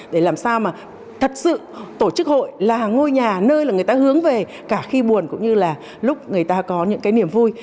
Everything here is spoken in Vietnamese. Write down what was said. để làm sao mà thật sự tổ chức hội là ngôi nhà nơi là người ta hướng về cả khi buồn cũng như là lúc người ta có những cái niềm vui